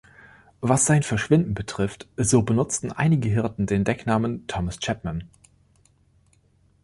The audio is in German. Was sein Verschwinden betrifft, so benutzten einige Hirten den Decknamen Thomas Chapman.